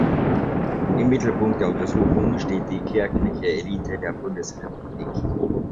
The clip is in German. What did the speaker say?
Im Mittelpunkt der Untersuchung steht die kirchliche Elite der Bundesrepublik.